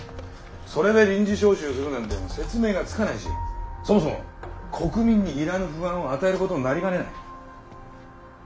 それで臨時招集するなんて説明がつかないしそもそも国民にいらぬ不安を与えることになりかねない。